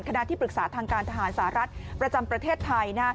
ที่ปรึกษาทางการทหารสหรัฐประจำประเทศไทย